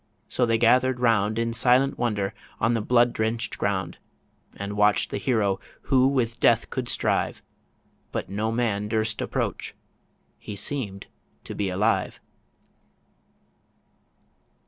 so they gathered round In silent wonder on the blood drench'd ground, And watch'd the hero who with Death could strive; But no man durst approach ... He seem'd to be alive